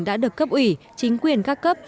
đã được cấp ủy chính quyền các cấp